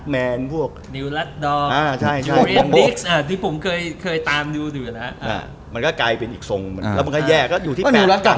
มันก็กลายเป็นอีกทรงแล้วมันก็แยกอยู่ที่แปดกลางเลย